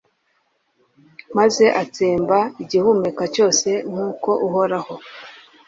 maze atsemba igihumeka cyose, nk'uko uhoraho